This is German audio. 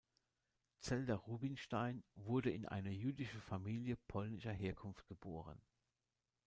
Zelda Rubinstein wurde in eine jüdische Familie polnischer Herkunft geboren.